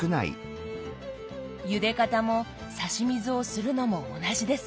ゆで方も差し水をするのも同じですね。